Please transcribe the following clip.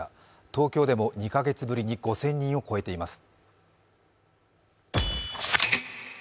東京でも２カ月ぶりに５０００人を超えています